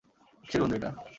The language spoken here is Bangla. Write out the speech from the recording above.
কীসের গন্ধ এটা?